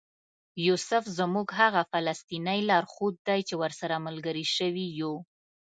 یوسف زموږ هغه فلسطینی لارښود دی چې ورسره ملګري شوي یو.